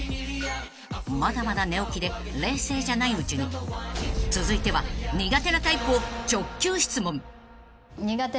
［まだまだ寝起きで冷静じゃないうちに続いては苦手なタイプを直球質問］